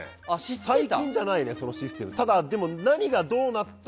最近じゃないね、そのシステム。